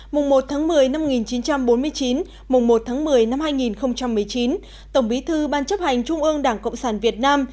mùng một tháng một mươi năm một nghìn chín trăm bốn mươi chín mùng một tháng một mươi năm hai nghìn một mươi chín tổng bí thư ban chấp hành trung ương đảng cộng sản việt nam